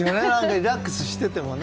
リラックスしててもね。